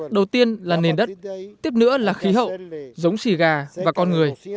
đầu tiên là nền đất tiếp nữa là khí hậu giống xì gà và con người